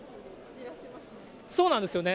そうなんですよね。